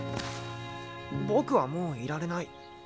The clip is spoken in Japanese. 僕はもういられない。